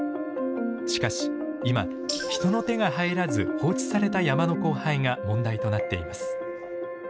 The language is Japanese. しかし今人の手が入らず放置された山の荒廃が問題となっています。